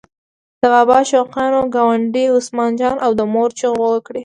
د بابا شوقیانو ګاونډي عثمان جان او د مور چغو کار وکړ.